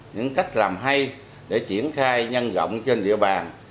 những cách làm hay để triển khai nhân rộng trên địa bàn